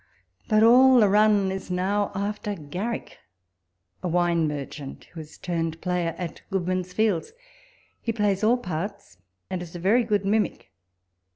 But all the run is now after Garrick, a wine merchant, who is turned player, at Good man's fields. He plays all parts, and is a very good mimic.